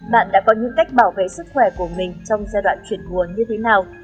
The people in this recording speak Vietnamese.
bạn đã có những cách bảo vệ sức khỏe của mình trong giai đoạn chuyển mùa như thế nào